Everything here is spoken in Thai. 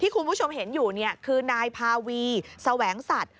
คุณผู้ชมเห็นอยู่คือนายพาวีแสวงสัตว์